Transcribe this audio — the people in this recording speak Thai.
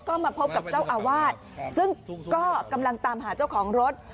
ก็มาพบกับเจ้าอาวาสซึ่งก็กำลังตามหาเจ้าของรถ